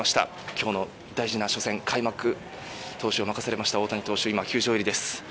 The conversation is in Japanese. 今日の大事な初戦、開幕投手を任されました大谷投手が今、球場入りです。